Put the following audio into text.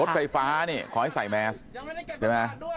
ไฟฟ้านี่ขอให้ใส่แมสใช่ไหม